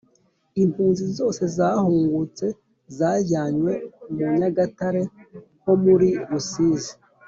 Impunzi zose zahungutse zajyanywe mu nyagatare ho muri Rusizi